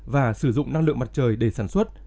và sử dụng năng lượng mặt trời để sản xuất